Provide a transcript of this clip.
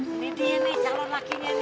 ini dia nih calon lakinya ini